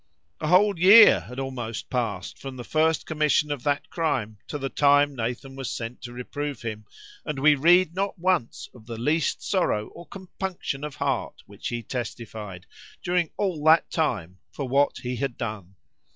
A whole year had almost passed "from first commission of that crime, to the time Nathan was sent to reprove him; and we read not once of the least sorrow or compunction of heart which he testified, during all that time, for what he had done.